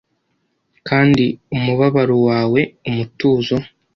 Kandi umubabaro wawe, umutuzo!